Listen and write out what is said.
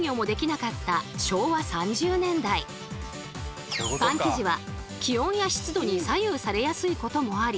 今のようにパン生地は気温や湿度に左右されやすいこともあり